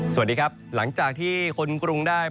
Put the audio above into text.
สวัสดีครับหลังจากที่คนกรุงได้